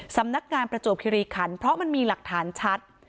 สำนักงานประจวบคิริขันเพราะมันมีหลักฐานชัด